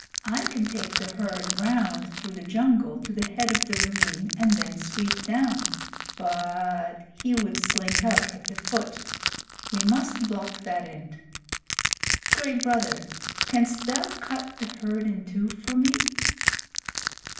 I can take the herd round through the jungle to the head of the ravine and then sweep down but he would slink out at the foot. We must block that end. Gray Brother, canst thou cut the herd in two for me?"